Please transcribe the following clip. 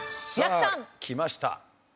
さあきました。